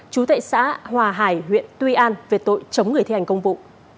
chú tệ xã hòa hải huyện tuy an về tội chống người thi hành công vụ